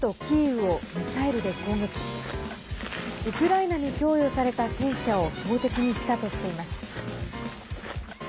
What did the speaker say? ウクライナに供与された戦車を標的にしたとしています。